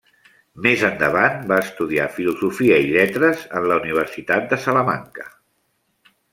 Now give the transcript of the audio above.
Més endavant va estudiar Filosofia i Lletres en la Universitat de Salamanca.